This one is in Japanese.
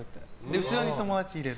後ろに友達を入れる。